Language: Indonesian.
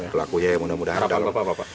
pelakunya ya mudah mudahan